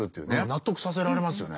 納得させられますよね。